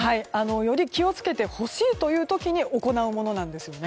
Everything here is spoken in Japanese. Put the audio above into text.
より気を付けてほしいという時に行うものなんです。